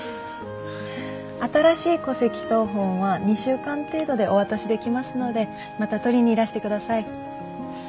新しい戸籍謄本は２週間程度でお渡しできますのでまた取りにいらしてください。